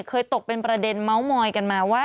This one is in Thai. ตกเป็นประเด็นเมาส์มอยกันมาว่า